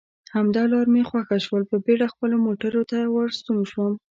همدا لار مې خوښه شول، په بېړه خپلو موټرو ته راستون شوم.